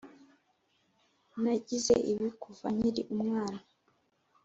nagize ibi kuva nkiri umwana.